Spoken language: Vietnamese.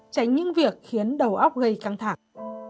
tránh những việc khiến đầu óc gây căng thẳng